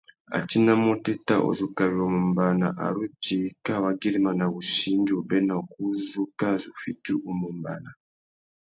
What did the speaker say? A tinamú otéta uzu kawi u mù ombāna a ru djï kā wa güirimana wussi indi obéna ukú u zu kā zu fiti u mù ombāna.